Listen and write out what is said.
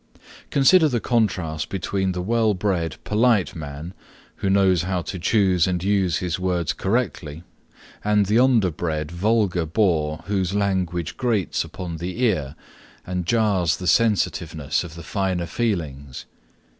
Consider the contrast between the well bred, polite man who knows how to choose and use his words correctly and the underbred, vulgar boor, whose language grates upon the ear and jars the sensitiveness of the finer feelings.